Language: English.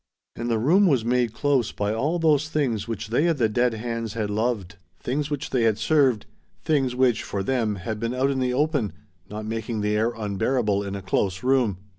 And the room was made close by all those things which they of the dead hands had loved, things which they had served, things which, for them, had been out in the open, not making the air unbearable in a close room.